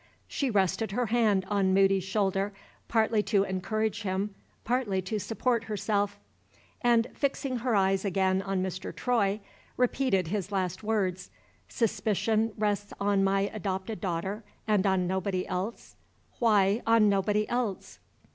She rested her hand on Moody's shoulder, partly to encourage him, partly to support herself; and, fixing her eyes again on Mr. Troy, repeated his last words, "'Suspicion rests on my adopted daughter, and on nobody else.' Why on nobody else?"